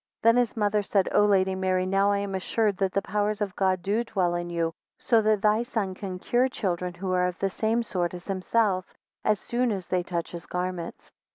7 Than his mother said, O Lady Mary, now I am assured that the powers of God do dwell in you, so that thy son can cure children who are of the same sort as himself, as soon as they touch his garments.